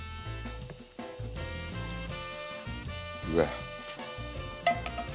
うわ。